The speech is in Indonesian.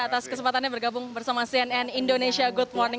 atas kesempatannya bergabung bersama cnn indonesia good morning